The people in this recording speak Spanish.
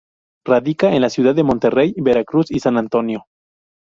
Radica en la ciudad de Monterrey, Veracruz y San Antonio.